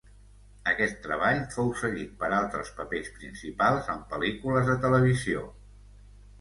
Aquest treball fou seguit per altres papers principals en pel·lícules de televisió.